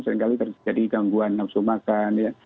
seringkali terjadi gangguan nafsu makan ya